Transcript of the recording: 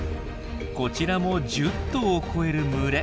こちらも１０頭を超える群れ。